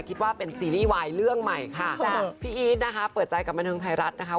คิดว่าเป็นซีรีส์วายเรื่องใหม่ค่ะจ้ะพี่อีทนะคะเปิดใจกับบันเทิงไทยรัฐนะคะ